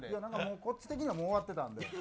こっち的にはもう終わってたので。